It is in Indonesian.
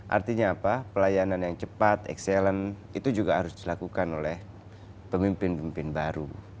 artinya apa pelayanan yang cepat excellent itu juga harus dilakukan oleh pemimpin pemimpin baru